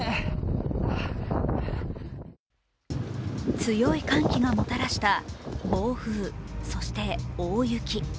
強い寒気がもたらした暴風、そして大雪。